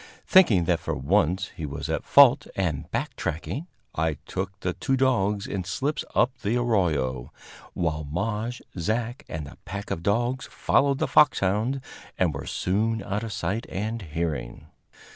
Thinking that for once he was at fault, and back tracking, I took the two dogs in slips up the arroyo, while Maje, Zach and the pack of dogs followed the foxhound, and were soon out of sight and hearing.